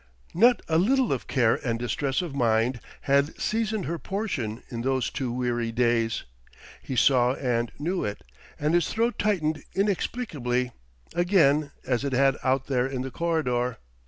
Not a little of care and distress of mind had seasoned her portion in those two weary days. He saw and knew it; and his throat tightened inexplicably, again, as it had out there in the corridor.